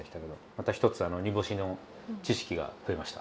また一つ煮干しの知識が増えました。